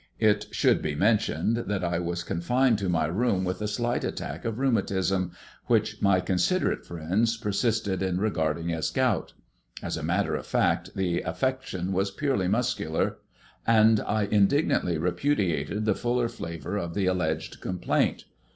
It should be mentioned that I was confined to my room with a slight attack of rheumatism, which my considerate friends persisted in regarding as gout. As a matter of fact the affection was purely muscular, and I indignantly repudiated the fuller flavour of the alleged complaint.